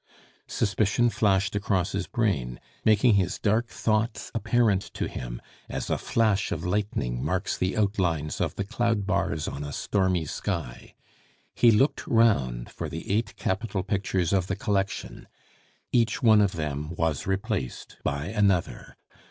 Suspicion flashed across his brain, making his dark thoughts apparent to him, as a flash of lightning marks the outlines of the cloud bars on a stormy sky. He looked round for the eight capital pictures of the collection; each one of them was replaced by another.